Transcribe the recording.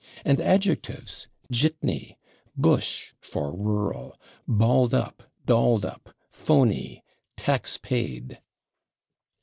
And adjectives: /jitney/, /bush/ (for rural), /balled up/, /dolled up/, /phoney/, /tax paid